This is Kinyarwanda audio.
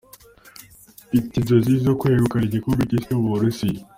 Mfite inzozi zo kwegukana igikombe cy’isi cyo mu Burusiya.